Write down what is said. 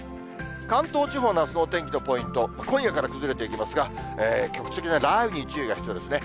関東地方のあすのお天気のポイント、今夜から崩れていきますが、局地的な雷雨に注意が必要ですね。